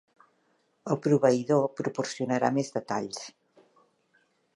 El proveïdor proporcionarà més detalls.